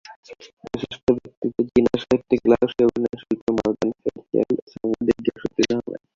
বিশিস্ট ব্যক্তিত্ব—চীনা সাহিত্যিক Lao She, অভিনয়শিল্পী Morgan Fairchild, সাংবাদিক গিয়াসুদ্দিন আহমেদ।